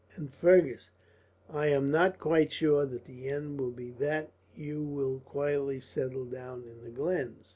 "And, Fergus, I am not quite sure that the end will be that you will quietly settle down in the glens.